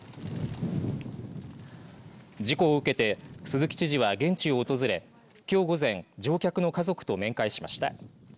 事故を受けて鈴木知事は現地を訪れきょう午前乗客の家族と面会しました。